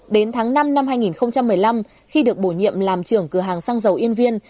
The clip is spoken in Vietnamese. đến tháng năm năm hai nghìn một mươi năm khi được bổ nhiệm làm trưởng cửa hàng xăng dầu yên viên